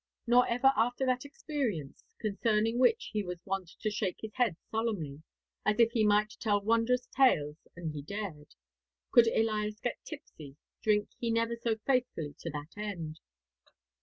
Nor ever after that experience concerning which he was wont to shake his head solemnly, as if he might tell wondrous tales an' he dared could Elias get tipsy, drink he never so faithfully to that end.